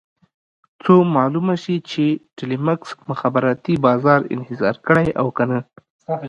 څو معلومه شي چې ټیلمکس مخابراتي بازار انحصار کړی او که نه.